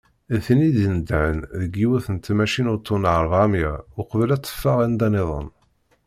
D tin i d-inedhen deg yiwet n tmacint uṭṭun rebεemya, uqbel ad teffeɣ anda-nniḍen.